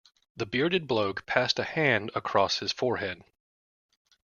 The bearded bloke passed a hand across his forehead.